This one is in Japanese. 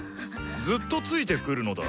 ずっとついてくるのだ。